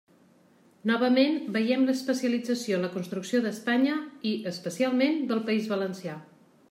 Novament veiem l'especialització en la construcció d'Espanya i, especialment, del País Valencià.